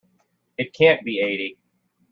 It can't be eighty.